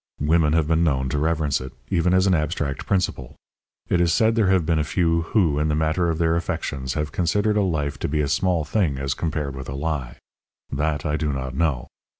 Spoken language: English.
Women have been known to reverence it, even as an abstract principle. It is said there have been a few who, in the matter of their affections, have considered a life to be a small thing as compared with a lie. That I do not know.